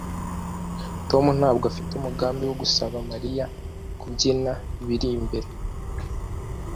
Tom ntabwo afite umugambi wo gusaba Mariya kubyina biri imbere